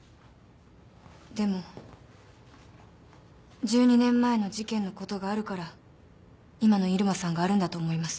でも１２年前の事件のことがあるから今の入間さんがあるんだと思います。